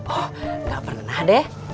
oh nggak pernah deh